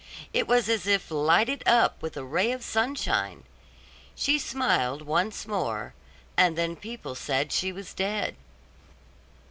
It was as if lighted up with a ray of sunshine. She smiled once more, and then people said she was dead.